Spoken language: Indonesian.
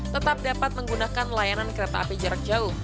tetap dapat menggunakan layanan kereta api jarak jauh